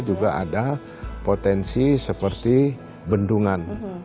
juga ada potensi seperti bendungan